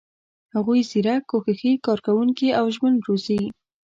هغوی زیرک، کوښښي، کارکوونکي او ژمن روزي.